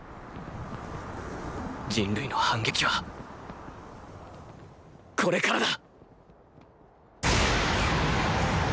人類の反撃はこれからだ！